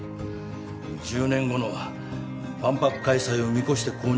１０年後の万博開催を見越して購入した土地だ。